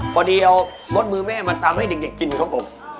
พอดีเอารสมือแม่มาตำให้เด็กกินครับผม